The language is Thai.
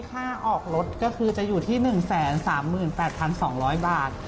ค่าออกรถก็คือจะอยู่ที่๑๓๘๒๐๐บาท